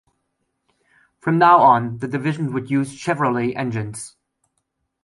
From now on, the division would use Chevrolet engines.